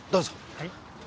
はい。